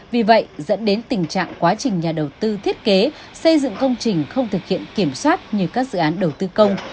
vì vậy dẫn đến tình trạng quá trình nhà đầu tư thiết kế xây dựng công trình không thực hiện kiểm soát như các dự án đầu tư công